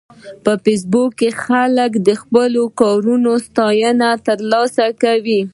په فېسبوک کې خلک د خپلو کارونو ستاینه ترلاسه کوي